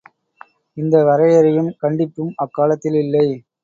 இந்த வரையறையும் கண்டிப்பும் அக்காலத்தில் இல்லை.